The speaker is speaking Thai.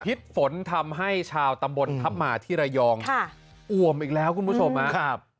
ทิศฝนทำให้ชาวตำบลทัพหมาที่ระยองค่ะอ่วมอีกแล้วคุณผู้ชมครับ